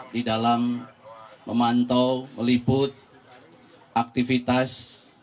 di dalam memantau meliput aktivitas